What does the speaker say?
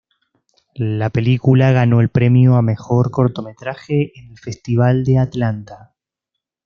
La película ganó el premio a Mejor Cortometraje en el Festival de Atlanta.